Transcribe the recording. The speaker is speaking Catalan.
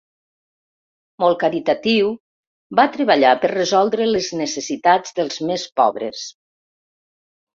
Molt caritatiu, va treballar per resoldre les necessitats dels més pobres.